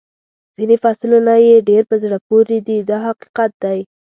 ځینې فصلونه یې ډېر په زړه پورې دي دا حقیقت دی.